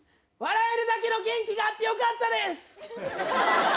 笑えるだけの元気があってよかったです！